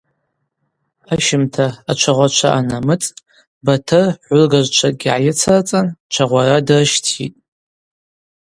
Ащымта, ачвагъвачва анамыцӏ, Батыр гӏвлыгажвчвагьи гӏайыцырцӏан чвагъвара дырщтитӏ.